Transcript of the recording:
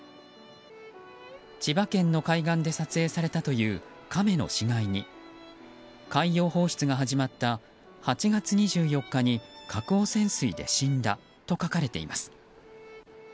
千葉県の海岸で撮影されたというカメの死骸に海洋放出が始まった８月２４日に核汚染水で死んだと書かれています。